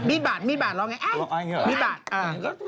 อี้มีดบาดมีดบาดร้องไง